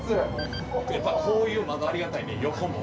やっぱこういう窓ありがたいね横も。